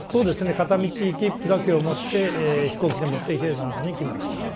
片道切符だけを持って飛行機でもって比叡山のほうに行きました。